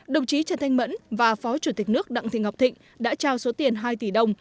đồng chí trần thanh mẫn và phó chủ tịch nước đặng thị ngọc thịnh đã trao số tiền hai tỷ đồng